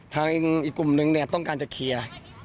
อีกกลุ่มนึงเนี่ยต้องการจะเคลียร์